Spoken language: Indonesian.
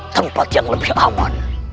tempat yang lebih aman